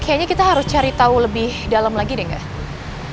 kayaknya kita harus cari tahu lebih dalam lagi deh nggak